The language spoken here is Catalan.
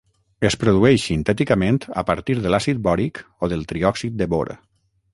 Es produeix sintèticament a partir de l'àcid bòric o del triòxid de bor.